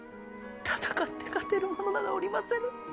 戦って勝てる者などおりませぬ！